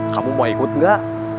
kamu mau ikut gak